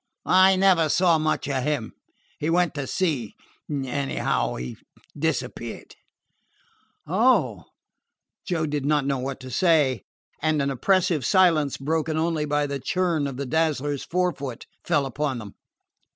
"I never saw much of him. He went to sea anyhow, he disappeared." "Oh!" Joe did not know what to say, and an oppressive silence, broken only by the churn of the Dazzler's forefoot, fell upon them.